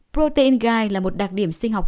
protein guide là một đặc điểm sinh học